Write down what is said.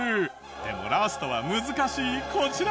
でもラストは難しいこちら！